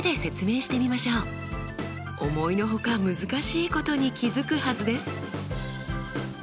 思いの外難しいことに気付くはずです。